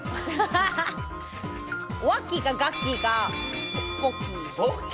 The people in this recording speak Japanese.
ワッキーか、ガッキーか、ポッキー。